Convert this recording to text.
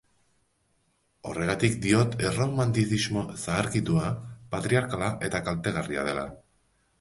Horregatik diot erromantizismo zaharkitua, patriarkala eta kaltegarria dela.